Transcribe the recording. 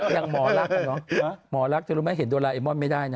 อย่างหมอลักษณ์เนาะหมอลักษณ์จะรู้มั้ยเห็นโดราเอมอนไม่ได้นะ